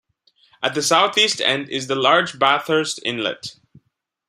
At the southeast end is the large Bathurst Inlet.